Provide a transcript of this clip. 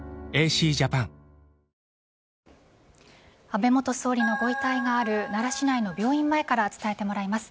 安倍元総理のご遺体がある奈良市内の病院前から伝えてもらいます。